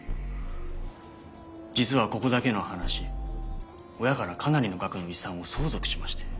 実はここだけの話親からかなりの額の遺産を相続しまして。